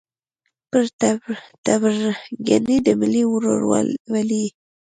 پر تربګنۍ د ملي ورورولۍ